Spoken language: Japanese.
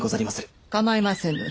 構いませぬ。